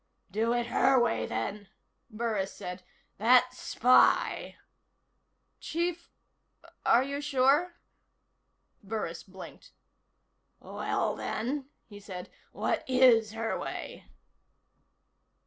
"Do it her way, then," Burris said. "That spy " "Chief, are you sure?" Burris blinked. "Well, then," he said, "what is her way?"